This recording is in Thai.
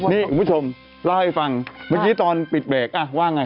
นี่คุณผู้ชมเล่าให้ฟังเมื่อกี้ตอนปิดเบรกว่าไง